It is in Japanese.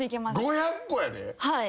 ５００個やで？